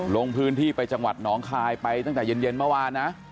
ลงพื้นที่ไปจังหวัดหนองคายไปตั้งแต่เย็นเมื่อวานนะ